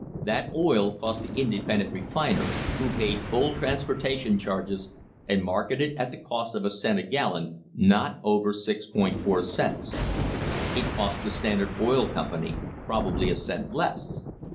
That oil cost the independent refiner, who paid full transportation charges and marketed at the cost of a cent a gallon, not over 6.4 cents. It cost the Standard Oil Company probably a cent less.